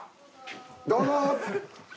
どうぞ。